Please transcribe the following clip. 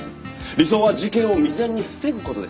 「“理想は事件を未然に防ぐ事です”」